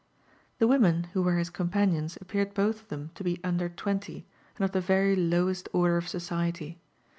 The women who were his companions appeared both of them to l^ under twenty, and of the very lowest order of society.